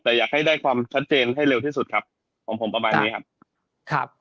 แต่อยากให้ได้ความชัดเจนให้เร็วที่สุดครับของผมประมาณนี้ครับครับ